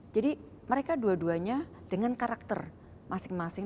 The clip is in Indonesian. jadi mereka dua duanya dengan karakter masing masing